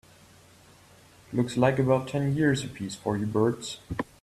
Looks like about ten years a piece for you birds.